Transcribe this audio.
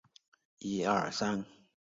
无言通是中国唐朝的一位禅宗僧人。